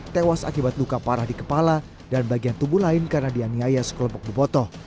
tewas akibat luka parah di kepala dan bagian tubuh lain karena dianiaya sekelompok bebotoh